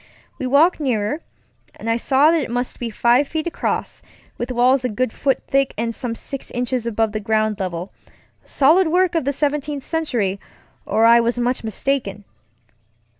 We walked nearer, and I saw that it must be five feet across, with walls a good foot thick and some six inches above the ground levelŌĆösolid work of the Seventeenth Century, or I was much mistaken.